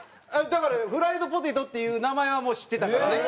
だからフライドポテトっていう名前はもう知ってたからね。